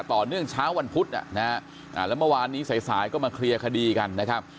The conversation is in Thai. ต่อเนื่องเช้าวันพุธแล้วเมื่อวานนี้สายสายก็มาเคลียร์คดีกันนะครับ